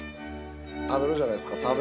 食べるじゃないですか。